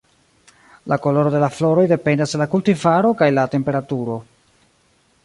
La koloro de la floroj dependas de la kultivaro kaj la temperaturo.